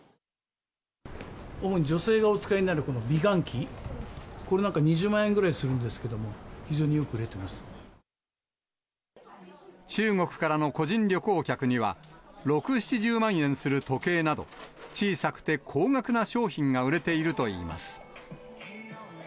主に女性がお使いになるこの美顔器、これなんか２０万円ぐらいするんですけれども、中国からの個人旅行客には、６、７０万円する時計など、小さくて高額な商品が売れているといいます。